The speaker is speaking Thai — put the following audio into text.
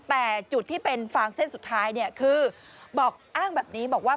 แต่จุดที่เป็นฟางเส้นสุดท้ายเนี่ยคือบอกอ้างแบบนี้บอกว่า